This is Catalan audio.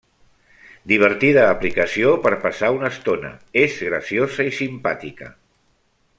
Divertida aplicació per passar una estona, és graciosa i simpàtica.